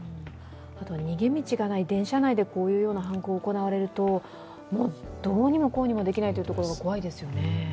逃げ道がない電車内でこのような犯行が行われるともうどうにもこうにもできないというところが怖いですよね。